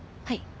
はい！